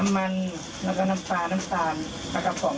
น้ำมันแล้วก็น้ำปลาน้ำตาลนะครับผม